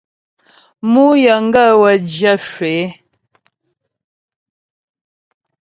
Mǔ yəŋgaə́ wə́ zhyə̂ shwə é.